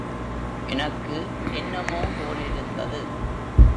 எனக்கு என்னமோ போலிருந்தது.